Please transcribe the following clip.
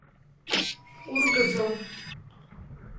Ургызо.